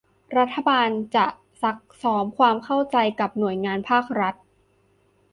รัฐบาลจะซักซ้อมความเข้าใจกับหน่วยงานภาครัฐ